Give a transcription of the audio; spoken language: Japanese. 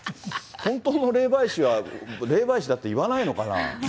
本当の霊媒師は霊媒師だって言わないのかな。